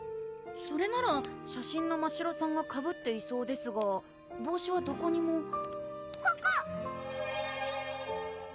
それなら写真のましろさんがかぶっていそうですが帽子はどこにもここ！